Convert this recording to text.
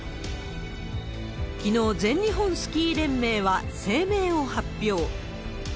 きのう、全日本スキー連盟は声明を発表。